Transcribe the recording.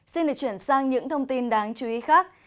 xin được chuyển sang những thông tin đáng chú ý khác